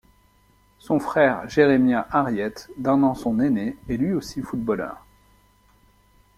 Son frère Jeremiah Harriette, d'un an son aîné, est lui aussi footballeur.